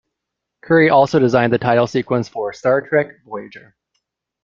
Curry also designed the title sequence for "Star Trek Voyager".